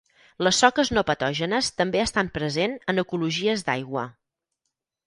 Les soques no patògenes també estan present en ecologies d'aigua.